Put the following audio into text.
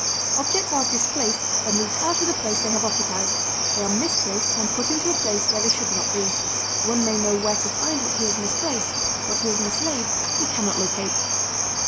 Objects are displaced when moved out of the place they have occupied; they are misplaced when put into a place where they should not be. One may know where to find what he has misplaced; what he has mislaid he can not locate.